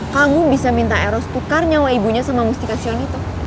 kamu bisa minta eros tukar nyawa ibunya sama mustikasion itu